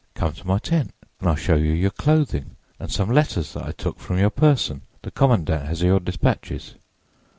Come to my tent and I'll show you your clothing and some letters that I took from your person; the commandant has your dispatches.